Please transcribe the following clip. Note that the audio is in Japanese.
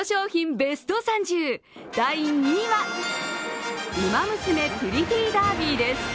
ベスト３０、第２位は「ウマ娘プリティーダービー」です